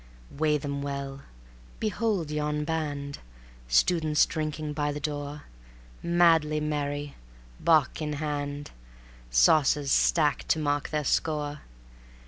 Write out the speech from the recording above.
Weigh them well. ... Behold yon band, Students drinking by the door, Madly merry, bock in hand, Saucers stacked to mark their score.